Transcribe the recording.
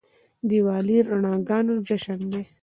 دیوالي د رڼاګانو جشن دی.